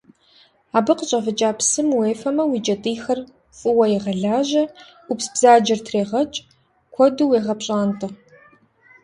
Абы къыщӏэвыкӏа псым уефэмэ, уи кӏэтӏийхэр фӏыуэ егъэлажьэ, ӏупсбзаджэр трегъэкӏ, куэду уегъэпщӏантӏэ.